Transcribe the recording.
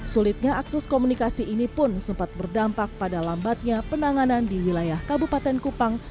sulitnya akses komunikasi ini pun sempat berdampak pada lambatnya penanganan di wilayah kabupaten kupang